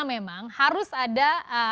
memang harus ada